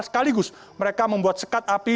sekaligus mereka membuat sekat api